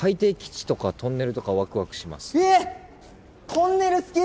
トンネル好き？